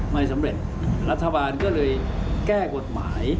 ไม่สำเร็จรัฐบาลก็เลยแก้กฎหมาย